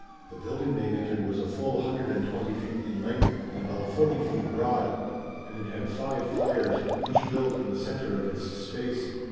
The building they entered was a full hundred and twenty feet in length and about forty feet broad, and it had five fires, each built in the center of its space.